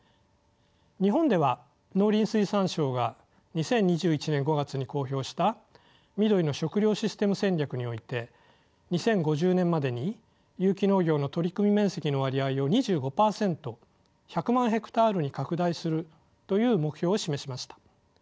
日本では農林水産省が２０２１年５月に公表したみどりの食料システム戦略において２０５０年までに有機農業の取組面積の割合を２５％１００万ヘクタールに拡大するという目標を示しました。